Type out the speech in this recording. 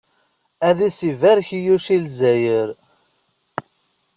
Ad as-ibarek Yuc i Lezzayer.